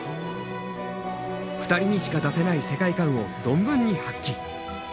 ２人にしか出せない世界観を存分に発揮。